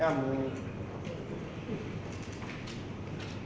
อ้าวมึง